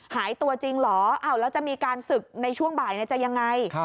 หายตัวจริงเหรอแล้วจะมีการศึกในช่วงบ่ายจะยังไง